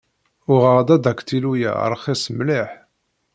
Uɣeɣ-d adaktilu-ya ṛxis mliḥ.